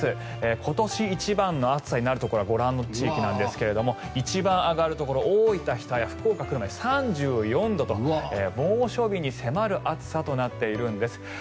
今年一番の暑さになるところはご覧の地域なんですが一番上がるところ大分の日田や福岡の久留米で３４度と猛暑日に迫る暑さとなっているんです。